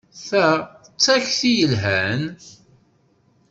Ta d takti yelhan!